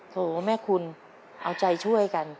โหแม่คุณเอาใจช่วยกัน